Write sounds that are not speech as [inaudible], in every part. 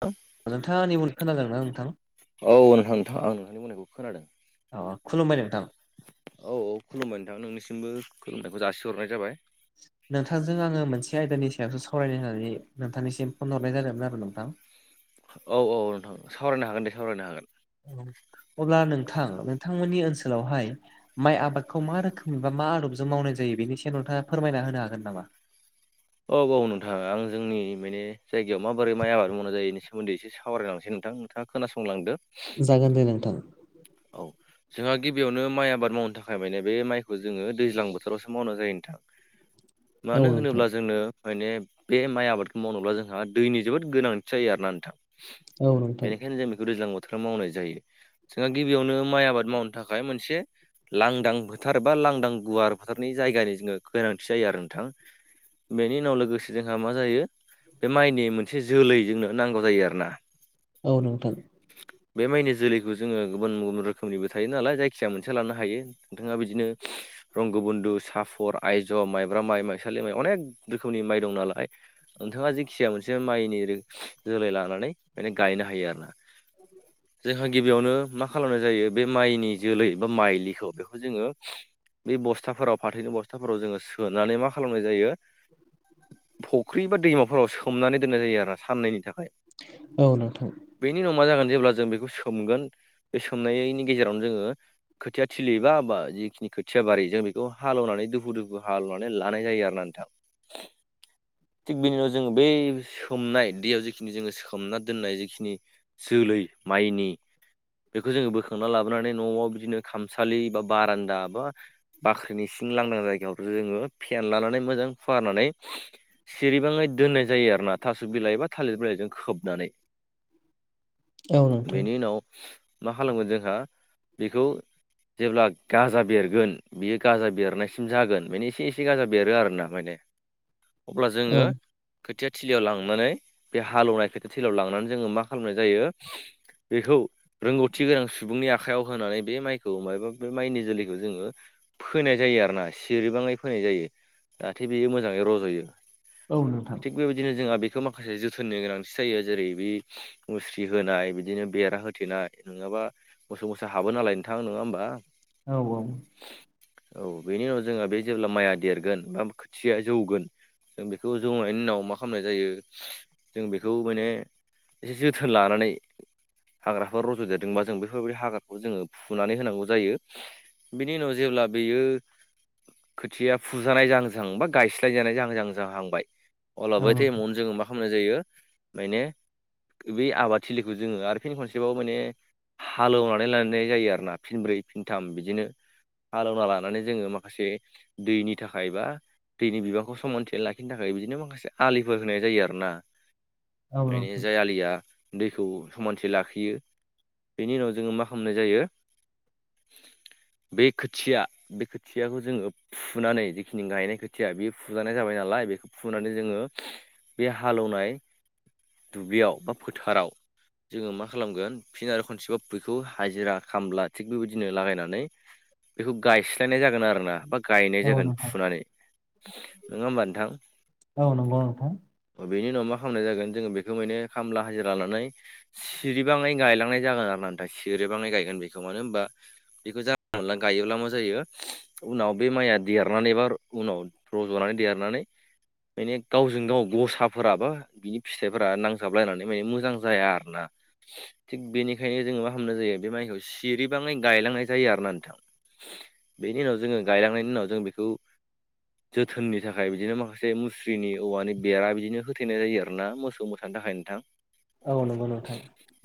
औ नोंथा निबल खोनाजादों नोंथां? औ नोंथांोंथां आं नोंथांनि बुंनायखौ खोनादों। अ खुलुमबाय नोंथां। औ औ खुलुमबाय नोंथां नोंनिसिमबो खुलुमनायखौ जासिहरनाय जाबाय। नोंथांजों आङो मोनसे आयदानि सायावसो सावरायनो होननानै नोंथांनिसिम फन हरनाय जादोंमोन आरो नोंथां। औ औ नोंथां सावरायनो हागोन दे सावरायनो हागोन। अब्ला नोंथां नोंथांमोननि ओनसोलावहाय माइ आबादखौ मा रोखोमनि बा मा आदबजों मावनाय जायो बेनि सायाव नोंथाङा फोरमायना होनो हागोन नामा? औ ब नोंथाङा आं जोंनि माने जायगायाव माबोरै माइ आबाद मावनाय जायो बेनि सोमोनदै एसे सावरायलालांसै नोंथां नोंथाङा खोनासंलांदो। जागोन दे नोंथां औ जोंहा गिबियावनो माइ आबाद मावनो थाखाय माने बे माइखौ जोङो दैज्लां बोथोरावसो मावनाय जायो नोंथां। [inaudible] मानो नोंथां होनोब्ला जोंङनो माने बे माइ आबादखौ मावनोब्ला जोंहा दैनि जोबोद गोनांथि जायो आरोना नोंथां? औ नोंथां बेनिखायनो जों बेखौ दैज्लां बोथोराव मावनाय जायो। जोंहा गिबियावनो माइ आबाद मावनो थाखाय मोनसे लांदां फोथार बा लांदां गुवार फोथारनि जायगानि जोङो गोनांथि जायो आरो नोंथां। बेनि उनाव लोगोसे जोंहा मा जायो? बे माइनि मोनसे जोलै जोंनो नांगौ जायो आरो ना? औ नोंथां बे माइनि जोलैखौ जोङो गुबुन गुबुन रोखोमनिबो थायो नालाय थजायखिजाया मोनसे लानो हायो नोंथाङा बिदिनो रंग बन्धु साफर आयज' माइब्रा माइ माइसालि माइ अनेक रोखोमनि माइ दं नालाय। नोंथाङा जेखिजाया मोनसे माइनि जोलै लानानै माने गायनो हायो आरो। जोंहा गिबियावनो मा म खालामनाय जायो बे माइनि जोलै बा माइलिखौ बेखौ जोङो बे बस्थाफोराव फाथैनि बस्थाफोराव जोङो सोनानै मा खालामनाय जायो? फुख्रि बा दैमाफोराव सोमनानै दोननाय जायो आरो साननैनि थाखाय। औ नथां बेनि उनाव मा जागोन जेब्ला जों बेखौ सोमगोन बे सोमनायनि गेजेरावनो जोङो खोथिया थिलियोबा बा जिखिनि खोथिया बारि जों बेखौ हालेवनानै दुफु दोफु हालेवनानै लानाय जायो आर ना नोंथां। [inaudible] थिग बिनि उनाव जोङो बै सोमनाय दैयाव जिखिनि जोङो सोमना दोननाय जिखिनि जोलै माइनि बेखौ जोङो बोखांना लाबोनानै न'आव बिदिनो खामसालि बा बारान्दा बा बाख्रिनि सिं लांदां जायगायावथो जोङो फेन लानानै मोजां फुवारनानै सेरबाङै दोननाय जायो आरोोना थास' बिलाइ बा थालिर बिलाइजों खोबनानै। [inaudible] औ नोंथां बेनि उनाव मा खालामगोन जोंहा बेखौ जेब्ला गाजा बेरगोन बियो गाजा बेरनायसिम जागोन माने एसे एसे गाजा बेरो आर ना माने अब्ला औ जोङो खोथिया थिलियाव लांनानै बे हालौनाय खोथिया थिलियाव लांनानै जोङो मा खालामनाय जायो बेखौ रोंगौथि गोनां सुबुंनि आखायाव होनानै बे माइखौ मायबा बे माइनि जोलैखौ जोङो फोनाय जायो आरो ना सिरिबाङै फोनाय जायो जाहाथे बेयो मोजाङै रज'यो। औ नोंथां। थिग बेबायदिनो जोंहा बेखौ माखासे जोथोननि गोनांथि जायो जेरै बै मुस्रि होनाय बिदिनो बेरा होथेनाय नोङाबा मोसौ मोसा हाबो नालाय नोंथां नोङा होमबा? औ औ। औ बेनि उनाव जोंहा बे जेब्ला माइआ देरगोन बा खोथिया जौगोन जों बेखौ जौनायनि उनाव मा खामनाय जायो जों बेखौ माने एसे जोथोन लानानै हाग्रा फोर र'ज देरदोंबा जों बेफोरबायदि हाग्राखौ जोङो फुनानै होनांगौ जायो। बिनि उनाव जेब्ला बेयो खोथिया फुजानाय जाहां जाहां बा गायस्लाय जानाय जाहां जाहां जाहांबाय अला औ बै नोंथां टाइमावनो जोङो मा खामनाय जायो मायने बै आबाद थिलिखौ जोङो आरो फिन खन सेबाव माने हालौनानै लानाय जायो आरोना फिनब्रै फिनथाम बिदिनो हालौना लानानै जोङो माखासे दैनि थाखाय बा दैनि बिबांखौ समानथियै लाखिनो थाखाय बिदिनो माखासे आलिफोर होनाय जायो आरो ना। औ बिनि नोंथां जाय आलिया दैखौ समानथि लाख बियो बेनि उनाव जोङो मा खामनाय जायो? [inaudible] बे खोथिया बे खोथियाखौ जोङो फुनानै जिखिनि गायनाय खोथिया बेयो फुजानाय जाबाय नालाय बेख फुनानै जोङो बे हालौनाय दुब्लियाव बा फोथाराव जोङो मा खालामगोन फिन आरो खनसेबाव बिखौ हाजिरा खामला थिग बेबायदिनो लागायनानै बेखौ गायस्लायनाय जागोन आरो ना बा गायनाय औ जागोन नोंथां फुनानै। नोङा होमबा नोंथां? औ नंगौ नोंथां अ बेनि उनाव मा खामनाय जागोन जोङो बेखौ मायने खामला हाजिरा लानाय सिरिबाङै गायलांनाय जागोन आरो ना नोंथा सिरिबाङै गायगोन बेखौ। मानो होनबा बेखौ जानला मोनला गायोब्ला मा जायो उनाव बे माइया देरनानै बार उनाव रज'नानै देरनानै माने गावजों गाव गसाफोराबो बिनि फिथाइफोरा नांजाबलायनानै माने मोजां जाया आरना। थिग बेनिखायनो जोङो मा खामनाय जायो बे माइखौ सिरिबाङै गायलांनाय जायो आरो ना नोंथां। बेनि उनाव जोङो गायलांनायनि उनाव जों बेखौ जोथोननि थाखाय बिदिनो माखासे मुस्रिनि औवानि बेरा बिदिनो होथेनाय जायो आरना मोसौ मोस थानो थाखाय नोंथां। औ नंगौ नोंथां।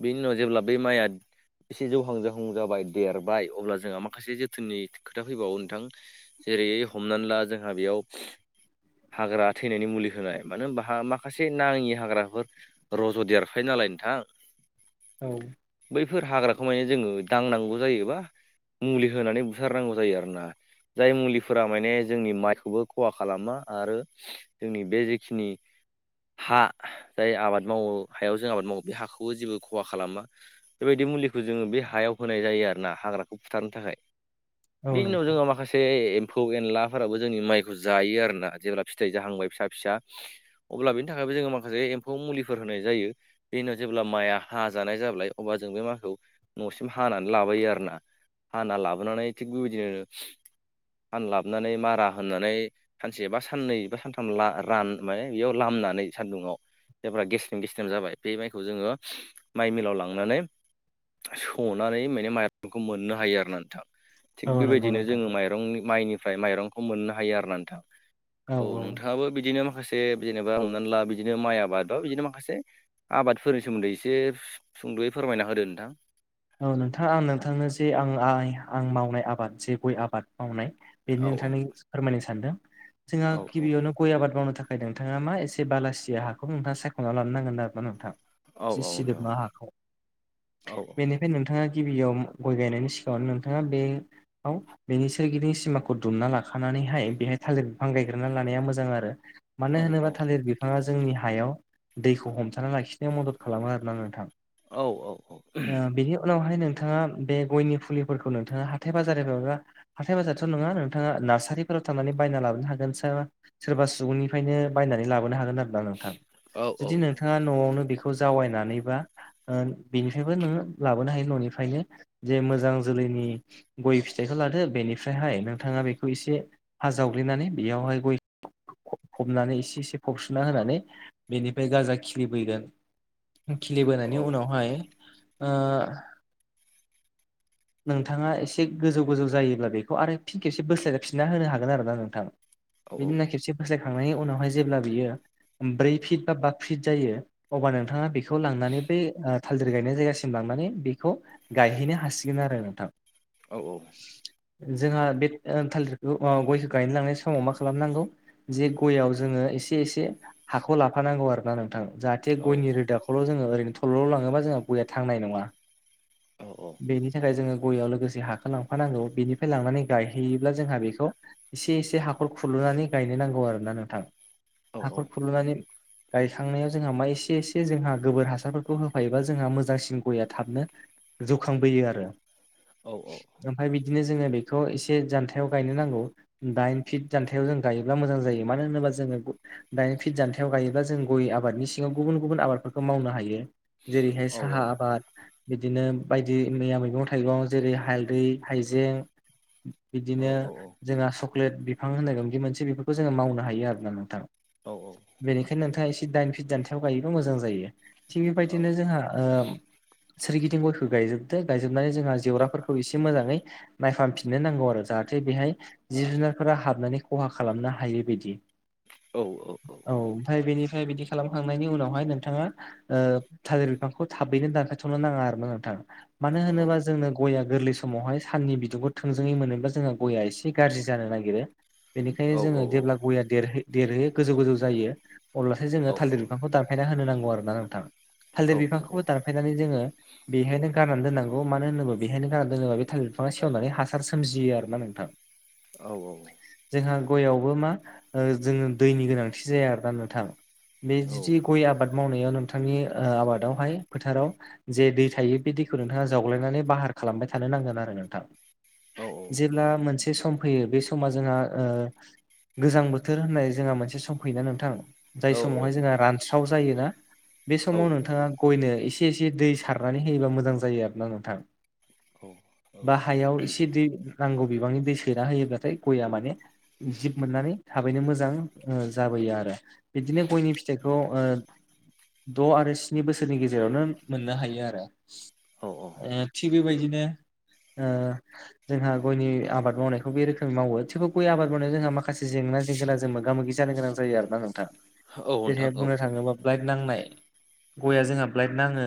बेनि उनाव जेब्ला बे माइआ एसे जौहां जौहां जाबाय देरबाय अब्ला जोंहा माखासे जोथोननि खोथा फैबावो नोंथां। जेरैयै हमनान ला जोंहा बेयाव हाग्रा थैनायनि मुलि होनाय मानो होनबा हा माखासे नाङि हाग्राफोर रज' देरखायो नालाय नोंथां औ बैफोर हाग्राखौ माने जोङो दांनांगौ जायोबा मुलि होनानै बुथार नांगौ जायो आरो ना। जाय मुलिफोरा मायने जोंनि माइखौबो खहा खालामा आरो जोंनि बे जेखिनि हा जाय आबाद मावो हायाव जों आबाद मावो बे हाखौबो जेबो खहा खालामा बेबायदि मुलिखौ जोङो बे हायाव होनाय जायो आरो ना हाग्राखौ फुथारनो थाखाय। औ बेनि उनाव नोंथां जोंङहा माखासे फौ एनलाफोराबो जोंनि माइखौ जायो आरोना जेब्ला फिथाइ जाहांबाय फिसा फिसा। अब्ला बेनि थाखायबो जोङो माखासे एम्फौ मुलिफोर होनाय जायो बेनिनाव जेब्ला माया हाजानाय जाबाय अब्ला जों बे माखौ न'सिम हानानै लाबायो आरो ना। हाना लाबोनानै थिग बेबायदिनो हाना लाबोनानै मारा होननानै सानसे बा साननैबा सानथाम रान माने बेयाव लामनानै सान्दुङाव जायफ्रा गेस्लेम गेस्लेम जाबाय बे माइखौ जोङो माइ मिलाव लांनानै सौनानै माने माइफोरखौ मोननो हायो आरो नोंथाङां? थिग औ नंगौ बेबायदिनो नोंथां जोङो माइरंनि माइनिफ्राय माइरंखौ मोननो हायो आरो ना नोंथां। औ नोंथाङाबो बिदिनो माखासे जेनेबा हमनानै ला बिदिनो माइ आबाद बा बिदिनो माखासे आबादफोरनि सोमोन्दै एसे सुंद'यै फोरमायना होदो नोंथां। औ नोंथां आं नोंथांनो जे आं आ आं मावनाय आबाद जे गय आबाद मावनाय ‌। बेनो औ नोंथांनो फोरमायनो सानदों जोंहा औ गिबियावनो गय आबाद मावनो थाखाय नोंथाङा मा एसे बालासिया हाखौ नोंथाङा सायख'ना लानो नांगोन न आरो ना नोंथां। औ जि औ नोंथां सिदोबा हाखौ औ बेनिफ्राय नोंथाङा गिबियाव गय गायनायनि सिगाङाव नोंथाङा बेयाव बेनि सोरगिदिं सिमाखौ दुमना लाखानानैहाय बेहाय थालिर बिफां गायग्रोना लानाया मोजां आरो मानो औ औ होनोब्ला थालिर बिफाङा जोंनि हायाव दैखौ हमथाना लाखिनायाव मदद खालामो आरोना नोंथां। औ औ बिनि उनावहाय नोंथाङा बे गयनि फुलिफोरखौ नोंथाङा हाथाय बाजार मा हाथाय बाजाराथ' नङा नोंथाङा नार्सारिफोराव थांनानै बायना लाबोनो हागोन सार सोरबा सुबुंनिफ्रायनो बायनानै लाबोनो हागोन आरो। नोंथ औ औ जु नोंथाङा न'आवनो बेखौ जावायनानैबानि बेायबो नोङो लाबोनो हायो न'निफ्रायनो जे मोजां जोलैनि गय फिथाइखौ लादो बेनिफ्रायहायउ महर नोंथाङा बेखौ एसे हा जावग्लिनानै बेयावहाय गय फबनानै एसे एसे फबसोनना होनानै बेनिफ्राय गाजा खिलिबोगोन खिलिबोनायनि उनावहाय ओ नोंथाङा एसे गोजौ गोजौ जायोब्ला बेखौ आरो फिन खेबसे बोस्लायफिनना होनो हागोन आरोोना नोंथाङा बिनि उना खेबसे फस्लायखांनायनि उनावहाय जेब्ला बियो ब्रै फिट बा बा फिट जायो अब्ला नोंथाङा बे खौ लानानै बे ओ थालिर गायनाय जायगासिम लांनानै नायफिननो हासिगोन आरो नोंथां। औ औ जोंहा बे थालिरखौ गयखौ गायनो लांनाय समाव मा खालामनांगौ? जे गयाव जोङो एसे एसे हाखौ लाफानांगौ आरो ना नोंथां जाहाथे जे गयनि रोदाखौल' जोङो ओरैनो थल'ल' लाङोबा जोंहा गया थांनाय नङा। औ औ बेनि थाखाय जोङो गययाव लोगोसे हाखौ लांफानांगौ बेनिफ्राय लांनानै गायहैयोब्ला जोंहा बेखौ एसे एसे हाखर खुुरलुनानै गायनो नांगौ आरो ना नोंथां। हाखर खुलुनानै गायखांनायाव जोंहा मा एसे एसे जोंहा गोबोर हासारफोरखौ होफायोबा जों जोंहा मोजांसिन गया थाबनो जौखांबोयो आरो। औ औ ओमफ्राय बिदिनो जोङो बेखौ एसे जानथायाव गायनो नांगौ। दाइन फिट जान्थायाव जों गायोब्ला मोजां जायो मानो होनोबा जोङो दानि फिट जान्थायाव गायोब्लाा जों गय आबादनि सिङाव गुबुन गुबुन आबादफोरखौ मावनो हायो। जेरैहाय साहा आबाद बिदिनो बायदि मैया मैगं थाइगं जेरै हालदै हाइजें बिदिनो जोंहा चक्लेट बिफां होननाय गोन बे मोनसे बेफोरखौ जोङो मावनो हायो आरो ना नोंथां। औ औ बेनिखायनो नोंथाङा एसे दाइन फिट दान्थायाव गायोबा मोजां जायो थिग बेबायदिनो जोंहा ओ सोरगिदिं गयखौ गायजोबदो गायजोबनानै जोंहा जेवराफोरखौ एसे मोजाङै नायफामफिननो नांगौ आरो जाहाथे बेहाय जिब जुनारफोरा हाबनानै खहा खालामनो हायैबायदि औ ओमफ्राय बेनिफ्राय बिदि खालामखांनायनि उनावहाय नोंथाङा ओ थालिर बिफांखौ थाबैनो दानखायथ'नो नाङा आरोना नोंथाङा मानो होनोबा जोंनो गया गोरलै सम समावहाय साननि बिदुंखौ थोंजोङै मोनोब्ला जोंहा गया एसे गाज्रि जानो नागिरो बेनिखायनो जोङो देब्ला गया देरहो- देरहोयो गोजौ गोजौ जायो अब्लासो जोङो थालिर बिफांखौ दानफायना होनो नांगौ आरोन ना नोंथां थालिर बिफांखौबो दानफायनानै जोङो बेहायनो गारनानै दोननांगौ मानो होनोब्ला बेहायनो गाननानै दोनोबा बे थालिर बिफाङा सेवनानै हासार सोमजियो आरो ना नोंथां [inaudible] औ औ औ जोंहा गयावबो मा ओ जोंनो दैनि गोनांथि जाया आरोना नोंथां बे जिदि गय आबाद मावनायाव नोंथांनि आबादावहाय फोथाराव जे दै थायो बे दैखौ नोंथाङा जावग्लायनानै बाहार खालामबाय थानो नांगोन आरो नोंथां जेब्ला मोनसे सम फैयो बे सम समा जोंहा ओ गोजां बोथोर होननाय जोंहा मोनसे सम फैयोना नोंथां जाय समावहाय जोंहा रानस्राव जायोना बे समाव नोंथाङा गयनो एसे एसे दै सारनानै होयोबा मोजां जायो आरो ना नोंथां बा औ हायाव एसे दै नांगौ बिबांनि दै सैना होयोब्लाथाय गया माने जिब मोननानै थाबैनो मोजां जाबोयो आरो बिदिनो गयनि औ फिथाइखौ ओ द' आरो स्नि बोसोरनि गेजेरावनो मोननो हायो आरो औ औ ओ थिग बेबायदिनो ओ जोंहा गयनि आबाद मावनायखौ बे रोखोमै मावो थेवबो गय आबाद मावनायाव जोंहा माखासे जेंना जेंगोना जों मोगा मोगि जानो गोनां जायो आरो ना नोंथां जेरैहाय बुंनो थाङोबा ब्लाइट नांनाय गयआ जोंहा ब्लाइट नाङो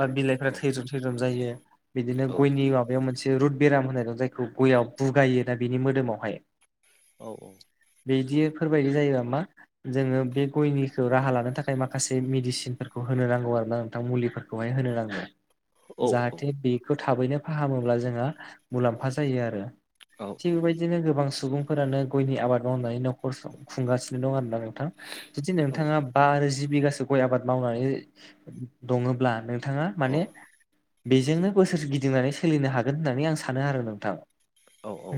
बा बिलाइफ्रा थैद्रुम थैद्रोम जायो बिदिनो गयनि गां बेयाव मोनसे रुद बेराम होनाय दं जायखौ गयाव बुगायो ना बिनि मोदोमावहाय औ औ बिदिफोरबायदि जायोबा मा जोङो बे गयनिखौ राहा लानो थाखाय माखासे मेदिसिन होनोांगौ आरोना नोंथां मुलिफोरखौहाय होनो नांगोन जाहाथे बे बेखौ थाबैनो फाहामोब्ला जोंहा मुलाम्फा जायो आरो औ थिग बेबायदिनो गोबां सुबुंफोरानो गयनि आबाद मावनानै नखर खुंगासिनो दं आरोना नों थां जुदि नोंथाङा बा जि बिघासो गय आबाद मावनानै दङब्ला नोंथाङा माने बेजोंनो बोसोरसे गिदिंनानै सोलिनो हागोन होननानै आं सानो आरो नोंथां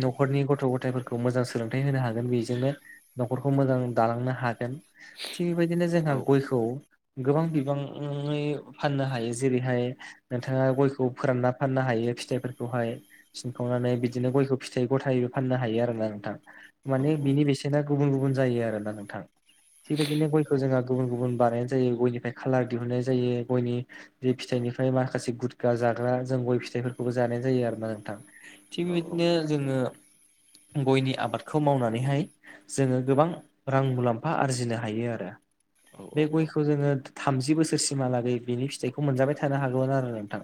न'खरनि गथ' गथायफोरखौ खौ मोजां सोलोंथाइ होनो हागोन बेजोंनो न'खरखौ मोजां दालांनो हागोन थिग बेबायदिनो जोंहा गयखौ गोबां बिबाङै फाननो हायो जेरैहाय नोंथाङा गयखौ फोरानना फाननो हायो फिथाइफोरखौहाय सिनखावनानै बिदिनो गयखौ फिथाइ गथायैबो फाननो हायो आरोना नोंथां माने बिनि बेसेना गुबुन गुबुन जायो आरोना नोंथां थिग बिदिनो गयखौ जोंहा गुबुन गुबुन बानायनाय जायो गयनिफ्राय खालार दिहुननाय जायो गयनि बे फिथाइनिफ्राय माखासे गुदगा जाग्रा जों गय फिथाइफोरखौबो जानाय जायो आरो ना नोंथां थिग बेबायदिनो जोङो गयनि आबादखौ मावनानैहाय जोङो गोबां रां मुलाम्फा आरजिनो हायो आरो औ औ खौ जोङो थामजि बोसोर सिमहालागै बिनि फिथाइखौ मोनजाबाय थानो हागोन आरोना नोंथां।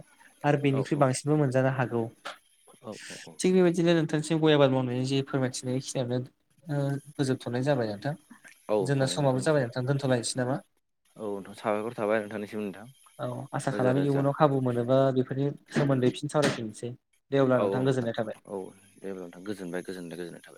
आरो बेनिख्रुइ बांसिनबो मोनजानो हागौ थिग बेबायदिनो थांसिम गय आबाद मावनायनि जि फोरमायथिनाय खिनियानो ओ फोजोबथ'नाय जाबाय नोंथां। औ जोंना समाबो जाबाय नोंथांनिसिमबो नोंथां दोनथ'लायनसै नामा? औ नोंथां साबायखर थाबाय नोंथांनिसिम नोंथां। औ आसा रोजा खालामो रोजा इयुनाव खाबु मोनोबा बेफोरनि सोमोन्दै फिन सावराय फिनसै। दे अब्ला औ औ नोंथां गोजोननाय थाबाय। औ नोंथां गोजोनबाय गोजोन्नाय गोजोन्नाय थाबाय।